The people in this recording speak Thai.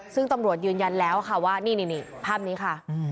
ซึ่งตำรวจยืนยันแล้วค่ะว่านี่ภาพนี้ค่ะ